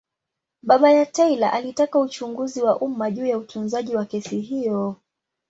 Baba ya Taylor alitaka uchunguzi wa umma juu ya utunzaji wa kesi hiyo.